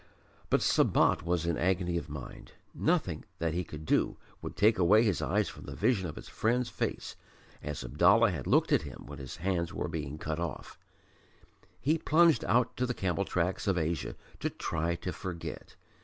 '" But Sabat was in agony of mind. Nothing that he could do would take away from his eyes the vision of his friend's face as Abdallah had looked at him when his hands were being cut off. He plunged out on to the camel tracks of Asia to try to forget.